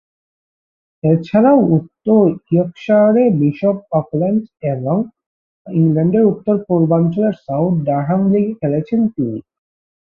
এছাড়াও উত্তর ইয়র্কশায়ারে বিশপ অকল্যান্ড এবং ইংল্যান্ডের উত্তর পূর্বাঞ্চলের সাউথ ডারহাম লীগে খেলেছেন তিনি।